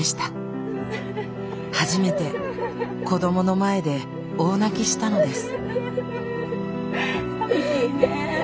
初めて子どもの前で大泣きしたのです。